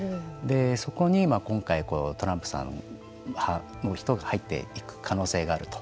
そこに今回トランプさん派の人が入っていく可能性があると。